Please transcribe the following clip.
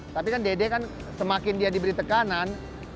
tapi kan dede kan semakin dia diberi tekanan